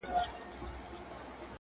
لالیه مه مي ږغوه ژړا راځینه